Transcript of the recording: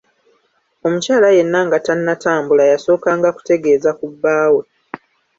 Omukyala yenna nga tannatambula yasookanga kutegeeza ku bbaawe.